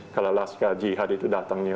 kalau laska jihad itu datangnya